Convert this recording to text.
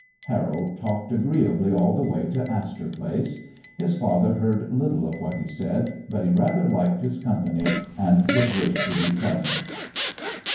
Harold talked agreeably all the way to Astor Place. His father heard little of what he said, but he rather liked his company and his wish to be pleasant.